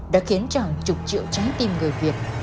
đã khiến hàng chục triệu trái tim người việt